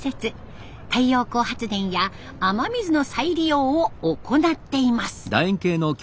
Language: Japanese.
太陽光発電や雨水の再利用を行っています。